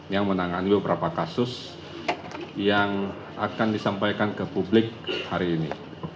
yang menangani beberapa kasus yang akan disampaikan ke publik hari ini